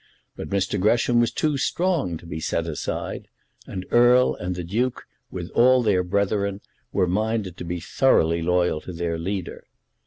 But Mr. Gresham was too strong to be set aside; and Erle and the Duke, with all their brethren, were minded to be thoroughly loyal to their leader.